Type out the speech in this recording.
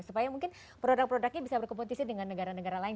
supaya mungkin produk produknya bisa berkompetisi dengan negara negara lain